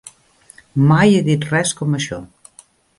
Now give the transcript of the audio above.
Mai he dit res com això.